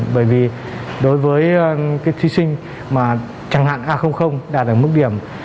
bởi vì đối với cái thí sinh mà chẳng hạn a đạt được mức điểm